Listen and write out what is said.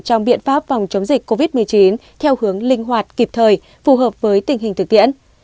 trong biện pháp phòng chống dịch covid một mươi chín theo hướng linh hoạt kịp thời phù hợp với tình hình thực tiễn